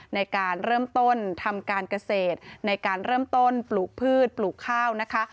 ในการเริ่มต้นทำการเกษตรในการเริ่มต้นปลูกพืชปลูกข้าวนะคะ